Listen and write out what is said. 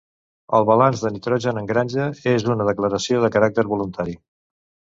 El balanç de nitrogen en granja és una declaració de caràcter voluntari.